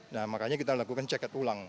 nah makanya kita lakukan check and ulang